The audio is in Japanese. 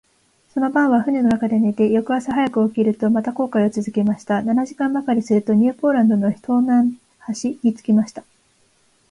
その晩は舟の中で寝て、翌朝早く起きると、また航海をつづけました。七時間ばかりすると、ニューポランドの東南端に着きました。